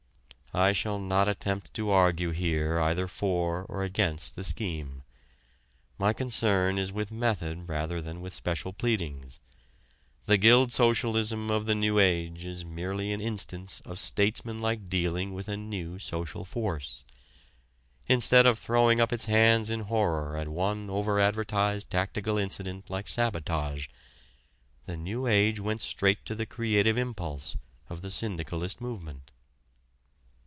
I shall not attempt to argue here either for or against the scheme. My concern is with method rather than with special pleadings. The Guild Socialism of the "New Age" is merely an instance of statesmanlike dealing with a new social force. Instead of throwing up its hands in horror at one over advertised tactical incident like sabotage, the "New Age" went straight to the creative impulse of the syndicalist movement.